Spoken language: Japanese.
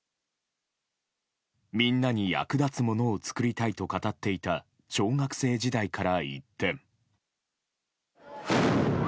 みんなに役立つものを作りたいと語っていた小学生時代から一転。